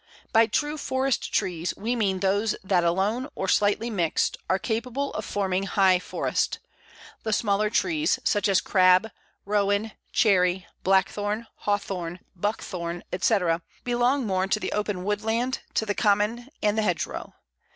By true forest trees we mean those that alone or slightly mixed are capable of forming high forest. The smaller trees, such as Crab, Rowan, Cherry, Blackthorn, Hawthorn, Buckthorn, etc., belong more to the open woodland, to the common and the hedgerow.